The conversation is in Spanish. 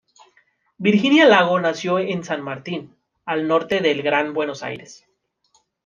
Virginia Lago nació en San Martín, al norte del Gran Buenos Aires.